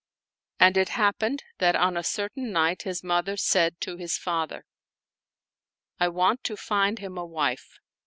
* And it happened that on a certain night his mother said to his father, " I want to find him a wife."